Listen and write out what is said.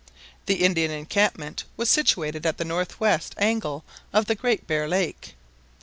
The Indian encampment was situated at the north west angle of the Great Bear Lake.